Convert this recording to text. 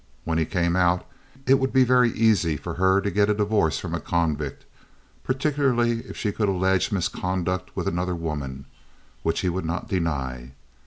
When he came out, it would be very easy for her to get a divorce from a convict, particularly if she could allege misconduct with another woman, which he would not deny.